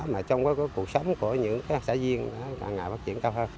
mà trong cái cuộc sống của những các xã viên là ngày phát triển cao hơn